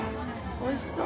おいしそう！